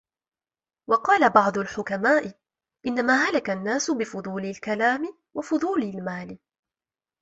وَقَالَ بَعْضُ الْحُكَمَاءِ إنَّمَا هَلَكَ النَّاسُ بِفُضُولِ الْكَلَامِ وَفُضُولِ الْمَالِ